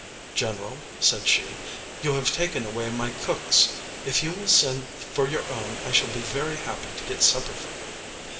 'General,' said she, 'you have taken away my cooks: if you will send for your own, I shall be very happy to get supper for you.'